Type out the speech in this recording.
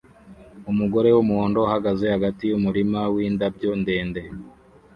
Umugore wumuhondo ahagaze hagati yumurima windabyo ndende